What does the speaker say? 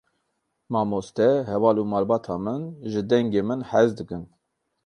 Mamoste, heval û malbata min, ji dengê min hez dikin.